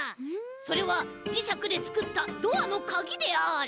それはじしゃくでつくったドアのカギである。